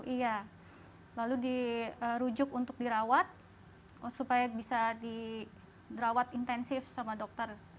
iya lalu dirujuk untuk dirawat supaya bisa dirawat intensif sama dokter